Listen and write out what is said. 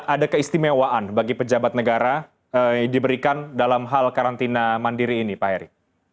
ada keistimewaan bagi pejabat negara diberikan dalam hal karantina mandiri ini pak heri